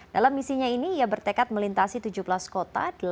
dalam misinya ini ia bertekad melintasi tujuh belas kota